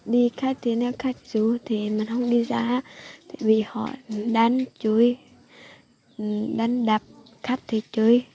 đi khách thì nếu khách dù thì mình không đi ra vì họ đánh chui đánh đập khách thì chui